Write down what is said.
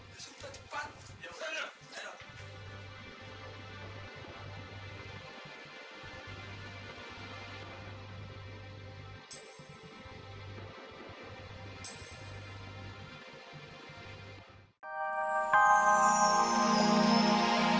ya sudah cepat